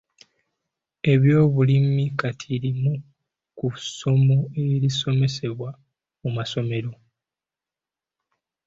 Ebyobulimi kati limu ku ssomo erisomesebwa mu masomero.